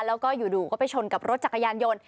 แล้วก็อยู่ก็ไปชนกับรถจักรยานยนต์